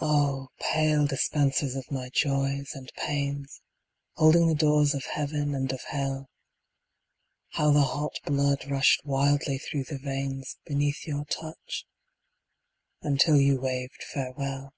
Oh, pale dispensers of my Joys and Pains, Holding the doors of Heaven and of Hell, How the hot blood rushed wildly through the veins Beneath your touch, until you waved farewell.